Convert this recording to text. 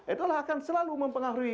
itulah akan selalu mempengaruhi